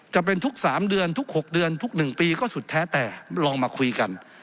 จะเป็นทุก๓เดือนทุก๖เดือนทุก๑ปีก็สุดแท้แต่ลองมาคุยกัน